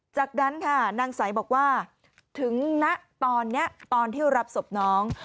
จากนั้นค่ะนางใสบอกว่าถึงณตอนนี้ตอนที่รับศพน้อง